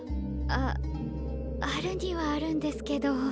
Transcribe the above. ああるにはあるんですけど。